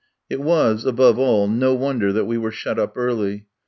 It was, above all, no wonder that we were shut up early.